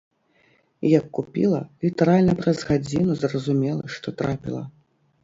Як купіла, літаральна праз гадзіну зразумела, што трапіла.